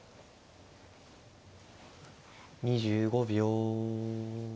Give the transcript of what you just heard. ２５秒。